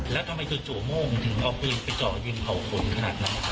แล้วทำไมจู่โม่งถึงเอาปืนไปเจาะยิงเขาขนขนาดนั้น